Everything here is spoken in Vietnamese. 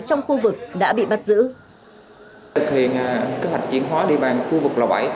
trong khu vực đã bị bắt giữ